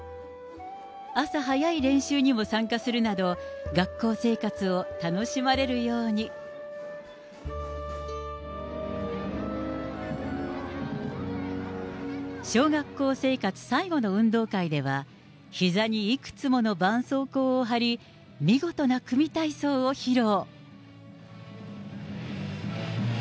朝早い練習にも参加するなど、学校生活を楽しまれるように。小学校生活最後の運動会では、ひざにいくつものばんそうこうを貼り、見事な組体操を披露。